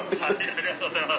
ありがとうございます。